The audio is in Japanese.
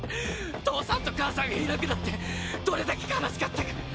父さんと母さんがいなくなってどれだけ悲しかったか。